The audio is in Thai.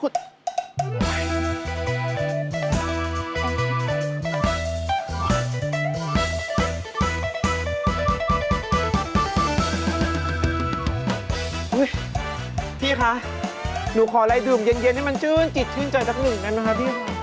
อุ๊ยพี่คะหนูขอไล่ดื่มเย็นให้มันชื่นจิตชื่นใจทักหนึ่งนะครับพี่ค่ะ